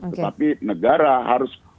tetapi negara harus